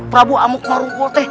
prabu amuk marukwote